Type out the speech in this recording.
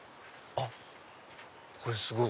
あっこれすごい！